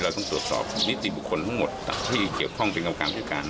เราต้องตรวจสอบนิติบุคคลทั้งหมดแต่พี่เกี่ยวข้องเป็นกับการพิการ